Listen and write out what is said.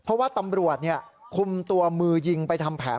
เพราะว่าตำรวจคุมตัวมือยิงไปทำแผน